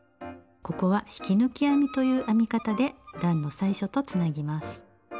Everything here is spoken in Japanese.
ここは引き抜き編みという編み方で段の最初とつなぎます。